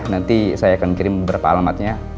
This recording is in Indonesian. nanti saya akan kirim beberapa alamatnya